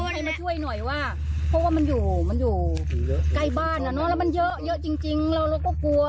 ให้มาช่วยหน่อยว่าเพราะว่ามันอยู่มันอยู่ใกล้บ้านอ่ะเนอะแล้วมันเยอะเยอะจริงเราก็กลัว